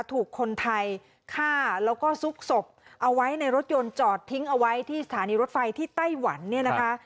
ถูกคนไทยฆ่าแล้วก็ซุกศพเอาไว้ในรถยนต์จอดทิ้งเอาไว้ที่สถานีรถไฟที่ไต้หวันเนี่ยนะคะ